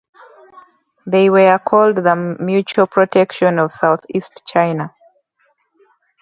They were called The Mutual Protection of Southeast China.